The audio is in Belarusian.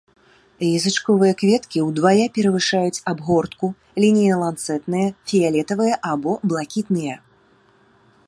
Язычковыя кветкі ўдвая перавышаюць абгортку, лінейна-ланцэтныя, фіялетавыя або блакітныя.